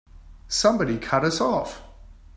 Somebody cut us off!